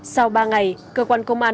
sau ba ngày cơ quan công an